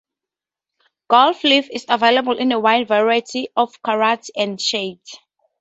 Gold leaf is available in a wide variety of karats and shades.